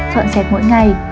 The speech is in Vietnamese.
dọn xẹp mỗi ngày